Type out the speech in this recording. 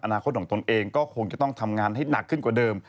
อนาคตของตนเองก็คงจะต้องทำงานให้หนักขึ้นกว่าเดิม